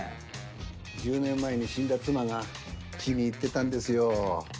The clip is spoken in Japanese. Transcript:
１０年前に死んだ妻が気に入ってたんですよ。